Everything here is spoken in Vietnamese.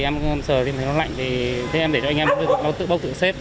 khi mà em sờ thì em thấy nó lạnh thì em để cho anh em nó tự bốc tự xếp